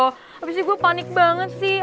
habis ini gua panik banget sih